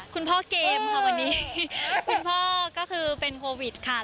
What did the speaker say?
คุณพ่อเกมค่ะวันนี้คุณพ่อก็คือเป็นโควิดค่ะ